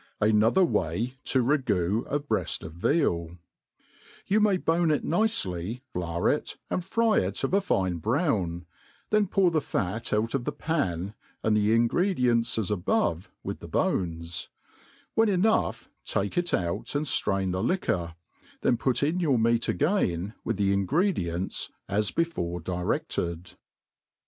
jtnother way to ragoo a breaft of VioL YOU may bone it nicely, flour it, and fry it of a fine brown, then pour the fat out of the pan, and the ingredients as above, with the bones ; when enough, take it out, and firain the liquor, then put in your meat again^ with the in« gredients, as before direded.